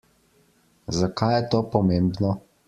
Zakaj je to pomembno?